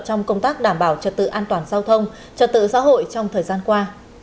trong công tác đảm bảo trật tự an toàn giao thông trật tự xã hội trong thời gian qua